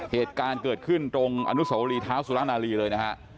เหตุการณ์เกิดขึ้นตรงอนุสวรีเท้าสุรนาลีเลยนะฮะ